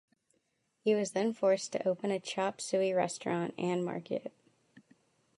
He was then forced to open a chop suey restaurant and market.